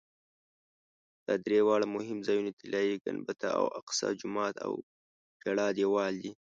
دا درې واړه مهم ځایونه طلایي ګنبده او اقصی جومات او ژړا دیوال دي.